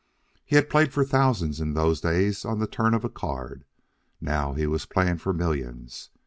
He had played for thousands in those days on the turn of a card; but now he was playing for millions.